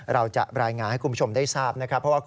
เราจะรายงานให้คุณผู้ชมได้ทราบนะครับ